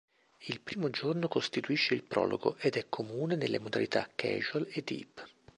Il primo giorno costituisce il prologo ed è comune nelle modalità Casual e Deep.